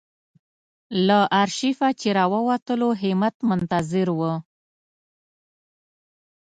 له آرشیفه چې راووتلو همت منتظر و.